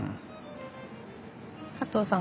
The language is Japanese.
加藤さん